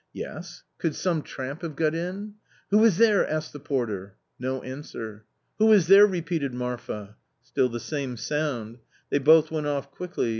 " Yes ! could some tramp have got in ?"" Who is there ?" asked the porter. No answer. " Who is there ?" repeated Marfa. Still the same sound. They both went off quickly.